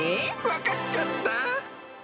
分かっちゃった？